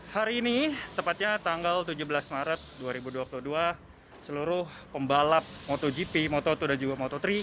hari ini tepatnya tanggal tujuh belas maret dua ribu dua puluh dua seluruh pembalap motogp moto dua dan juga moto tiga